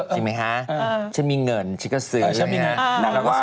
จริงไหมฮะเออฉันมีเงินฉันก็ซื้อฉันมีเงินนางว่าหรอค่ะ